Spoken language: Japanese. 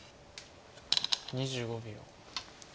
２５秒。